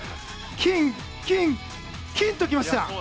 金、金、金ときました！